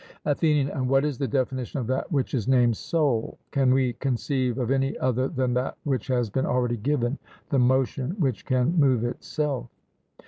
ATHENIAN: And what is the definition of that which is named 'soul'? Can we conceive of any other than that which has been already given the motion which can move itself?